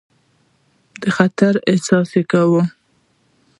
د خطر احساس کاوه.